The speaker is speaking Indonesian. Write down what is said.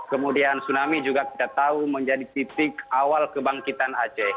kemudian tsunami juga kita tahu menjadi titik awal kebangkitan aceh